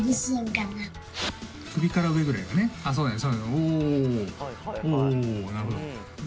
おおおなるほど。